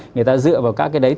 người ta dựa vào các cái đấy